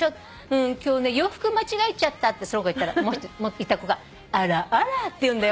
「うん今日ね洋服間違えちゃった」ってその子が言ったらもう１人いた子が「あらあら」って言うんだよ。